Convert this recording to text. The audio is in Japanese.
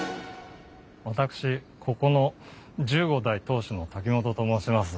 私ここの十五代当主の瀧本と申します。